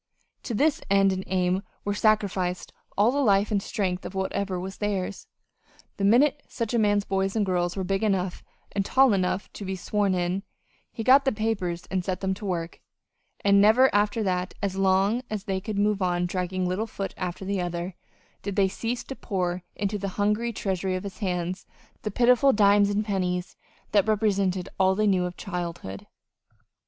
To this end and aim were sacrificed all the life and strength of whatever was theirs. The minute such a man's boys and girls were big enough and tall enough to be "sworn in" he got the papers and set them to work; and never after that, as long as they could move one dragging little foot after the other, did they cease to pour into the hungry treasury of his hand the pitiful dimes and pennies that represented all they knew of childhood.